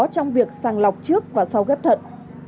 trong việc sàng lọc trước và sau ghét thận